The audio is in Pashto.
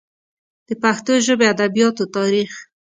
د پښتو ژبې ادبیاتو تاریخ